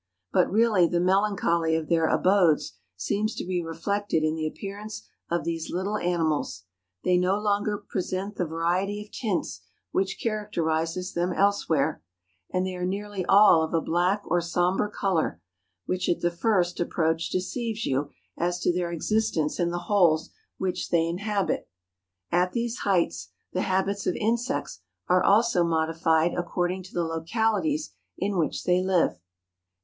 But really the melancholy of their abodes seems to be reflected in the appearance of these little animals ; they no longer present the variety of tints which characterises them elsewhere; and they are nearly all of a black or sombre colour, which at the first approach deceives you as to their existence in the holes which they inhabit. At these heights the habits of insects are also modified according to the localities in which they live.